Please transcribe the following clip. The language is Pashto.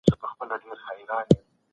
تاسي تل ریښتیا خبري کوئ.